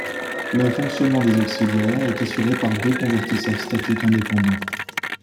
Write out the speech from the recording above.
Le fonctionnement des auxiliaires est assuré par deux convertisseurs statiques indépendants.